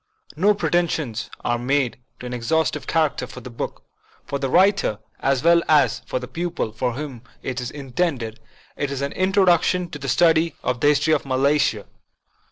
No pre tensions are made to an exhaustive character for the book. For the writer, as well as for the pupil for whom it is intended, it is an introduction to the study of the history of Malaysia.